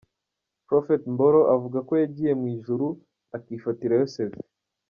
Prophet Mboro avuga ko yagiye mu ijuru akifatirayo 'Selfie'.